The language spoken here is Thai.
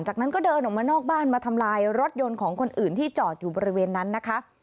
จากนั้นก็เดินออกมานอกบ้านมาทำลายรถยนต์ของคนอื่นที่จอดอยู่บริเวณนั้นนะคะ